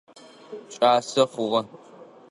Кӏасэ хъугъэ.